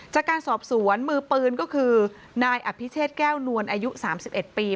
จากการสอบสวนมือปืนก็คือนายอภิเชษแก้วนวลอายุ๓๑ปี